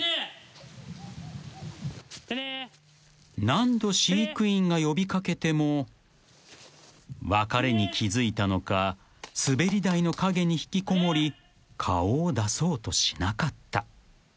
［何度飼育員が呼び掛けても別れに気付いたのか滑り台の陰に引きこもり顔を出そうとしなかった］